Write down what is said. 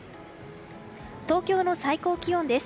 東京の最高気温です。